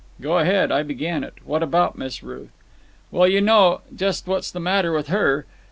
"Go ahead. I began it. What about Miss Ruth?" "Well, you know just what's the matter with her.